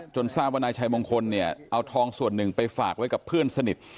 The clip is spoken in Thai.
ทราบว่านายชัยมงคลเนี่ยเอาทองส่วนหนึ่งไปฝากไว้กับเพื่อนสนิท